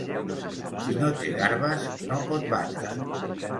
Qui no té garbes no pot batre.